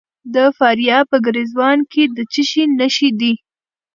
د فاریاب په ګرزوان کې د څه شي نښې دي؟